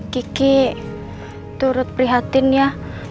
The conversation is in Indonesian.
kiki turut prihatin ya